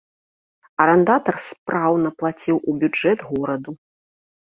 Арандатар спраўна плаціў у бюджэт гораду.